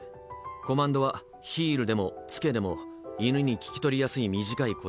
コマンドは「ヒール」でも「つけ」でも犬に聞き取りやすい短い言葉で。